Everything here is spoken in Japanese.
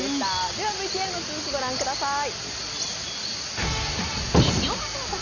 ＶＴＲの続き、御覧ください。